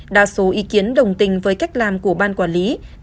đa số ý kiến đồng tình với cách làm của ban quản lý